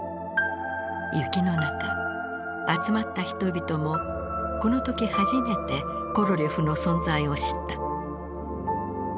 雪の中集まった人々もこの時初めてコロリョフの存在を知った。